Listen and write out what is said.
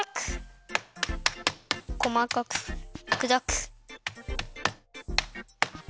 こまかくくだく。